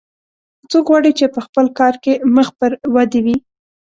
څوک غواړي چې په خپل کار کې مخ پر ودې وي